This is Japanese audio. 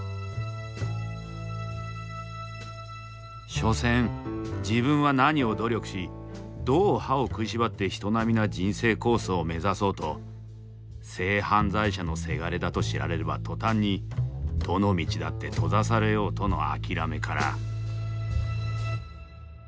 所詮自分は何を努力しどう歯を食いしばって人並みな人生コースを目指そうと性犯罪者の伜だと知られれば途端にどの道だって閉ざされようとの諦めから。